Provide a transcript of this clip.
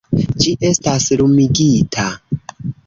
- Ĝi estas lumigita...